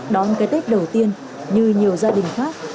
đón cái tết đầu tiên như nhiều gia đình khác